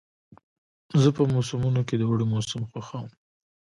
زه په موسمونو کې د اوړي موسم خوښوم.